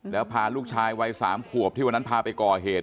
แล้วพาลูกชายวัย๓ขวบที่วันนั้นพาไปก่อเหตุ